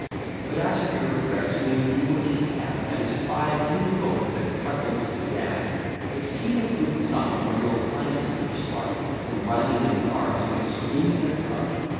But as for your threats, you may do what you can I despise any poet that truckled to Dan But keep a good tongue, or you'll find to your smart From rhyming in cars, you may swing in a cart.